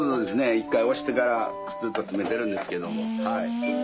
１回押してから詰めてるんですけども。